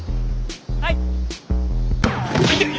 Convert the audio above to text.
はい。